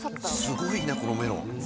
すごいなこのメロン。